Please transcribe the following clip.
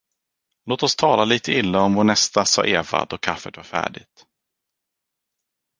Låt oss tala litet illa om vår nästa, sade Eva, då kaffet var färdigt.